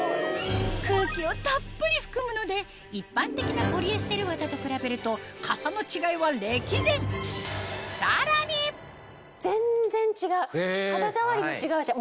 空気をたっぷり含むので一般的なポリエステル綿と比べるとかさの違いは歴然全然違う肌触りも違うし。